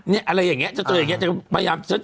เช่นอันนี้อะไรอย่างเงี้ย